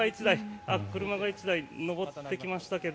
車が１台上ってきましたけど。